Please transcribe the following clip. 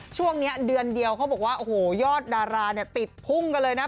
ช่วงนี้เดือนเดียวเขาบอกว่าโอ้โหยอดดาราเนี่ยติดพุ่งกันเลยนะ